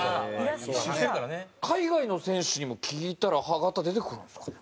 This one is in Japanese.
海外の選手にも聞いたら歯形出てくるんですかね？